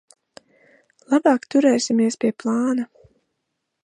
Labāk turēsimies pie plāna.